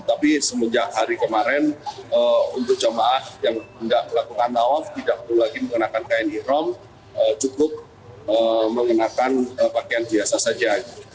tapi semenjak hari kemarin untuk jemaah yang tidak melakukan tawaf tidak perlu lagi mengenakan kain ikhrom cukup mengenakan pakaian biasa saja